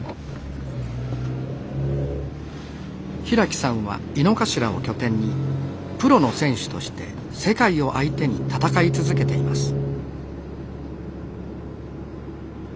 平木さんは猪之頭を拠点にプロの選手として世界を相手に戦い続けています